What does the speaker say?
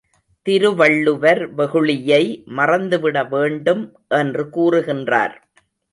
திருவள்ளுவர் வெகுளியை மறந்துவிட வேண்டும் என்று கூறுகின்றார்.